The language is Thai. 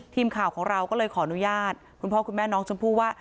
ทีมข่าวของเราก็เลยขออนุญาตคุณพ่อคุณแม่น้องชมพู่ว่า